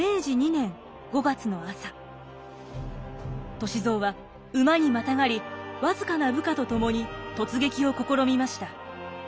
歳三は馬にまたがり僅かな部下と共に突撃を試みました。